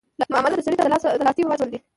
له امله د سړي تبر ته لاستى وراچولى دى.